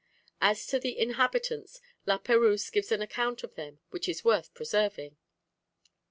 As to the inhabitants, La Perouse gives an account of them which is worth preserving.